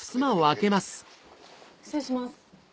失礼します。